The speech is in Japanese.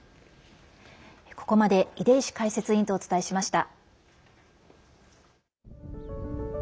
ここまで出石解説委員とお伝えしました。